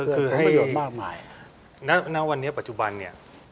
คือให้นักวันนี้ปัจจุบัน